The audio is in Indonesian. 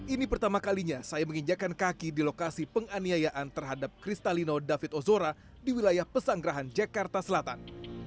ini pertama kalinya saya menginjakan kaki di lokasi penganiayaan terhadap kristalino david ozora di wilayah pesanggerahan jakarta selatan